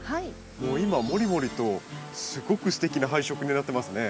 もう今もりもりとすごくすてきな配色になってますね。